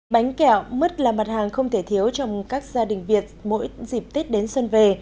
bánh kẹo mứt là mặt hàng không thể thiếu trong các gia đình việt mỗi dịp tết đến xuân về